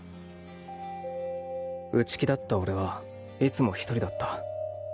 内気だった俺はいつも１人だった。